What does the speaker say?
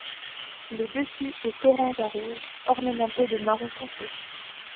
Le dessus est orange à rouge ornementé de marron foncé.